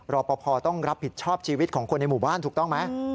รอปภต้องรับผิดชอบชีวิตของคนในหมู่บ้านถูกต้องไหม